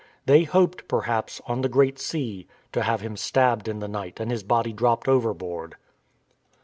They hoped, perhaps, on the Great Sea to have him stabbed in the night and his body dropped overboard.